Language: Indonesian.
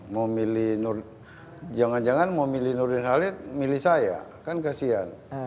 mau milih jangan jangan mau milih nurdin halid milih saya kan kasihan